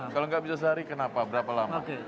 kalau nggak bisa sehari kenapa berapa lama